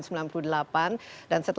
dan setelah itu saya di rcti